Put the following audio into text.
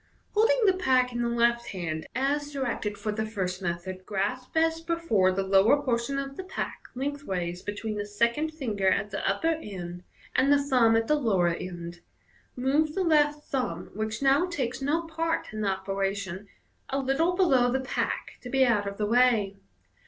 — Holding the pack in the left hand, as directed for the first method, grasp as before the lower por tion of the pack length ways between the second ringer at the upper end and the thumb at the lower end , move the left thumb, which now takes no part in the operation, a little below the pack to be out of the way.